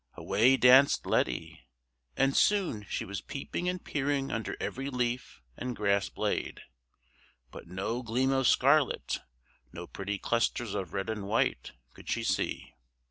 Away danced Letty, and soon she was peeping and peering under every leaf and grass blade; but no gleam of scarlet, no pretty clusters of red and white could she see.